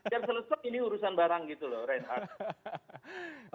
biar selesai ini urusan barang gitu loh reinhardt